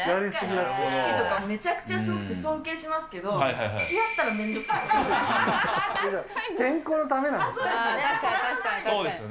知識とかめちゃくちゃすごくて尊敬しますけど、つきあったらめんどくさそう。